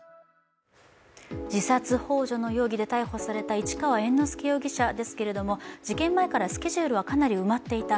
自殺ほう助の容疑で逮捕された市川猿之助容疑者ですけど、事件前からスケジュールはかなり埋まっていた。